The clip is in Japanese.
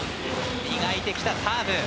磨いてきたサーブ。